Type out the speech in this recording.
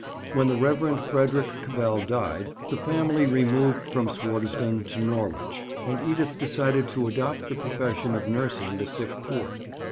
When the Rev. Frederick Cavell died, the family removed from Swardeston to Norwich, and Edith decided to adopt the profession of nursing the sick poor.